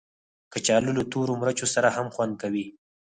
کچالو له تورو مرچو سره هم خوند کوي